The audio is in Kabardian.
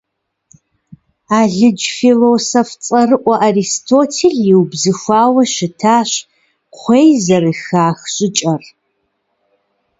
Алыдж философ цӀэрыӀуэ Аристотель иубзыхуауэ щытащ кхъуей зэрыхах щӀыкӀэр.